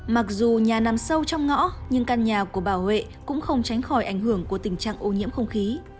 mặc dù nhà nằm sâu trong ngõ nhưng căn nhà của bà huệ cũng không tránh khỏi ảnh hưởng của tình trạng ô nhiễm không khí